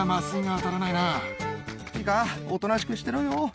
いいかおとなしくしてろよ。